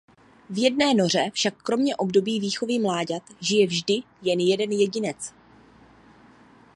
V jedné noře však kromě období výchovy mláďat žije vždy jen jeden jedinec.